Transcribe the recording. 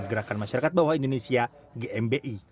gerakan masyarakat bawah indonesia gmi